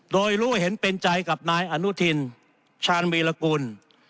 โดยรู้เห็นเป็นใจกับนายอนุทินชาญวีรกุล